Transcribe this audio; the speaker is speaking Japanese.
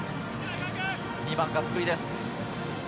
２番が福井です。